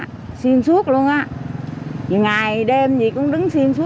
không chỉ bám trụ ở những tuyến đầu chống dịch trong những ngày thường nhật những bóng hồng của công an tp bạc liêu